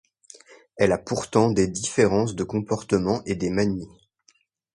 Elle a pourtant des différences de comportement, et des manies.